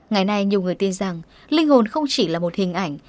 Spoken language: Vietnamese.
ngày nay nhiều người tin rằng linh hồn không chỉ là một hình ảnh